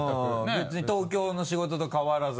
別に東京の仕事と変わらず？